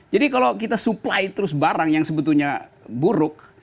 jadi kalau kita supply terus barang yang sebetulnya buruk